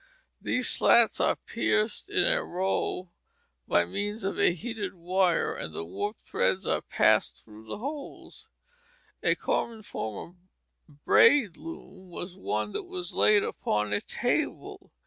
These slats are pierced in a row by means of a heated wire and the warp threads are passed through the holes. A common form of braid loom was one that was laid upon a table.